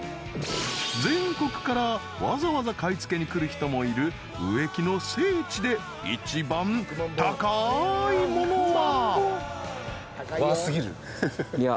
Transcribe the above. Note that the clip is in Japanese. ［全国からわざわざ買い付けに来る人もいる植木の聖地で一番高いものは］いや。